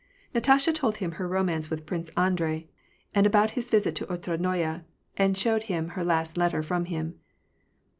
Natasha told him her romance with Prince Andrei, and about his visit to Oti*adnoye, and showed him her last letter from him.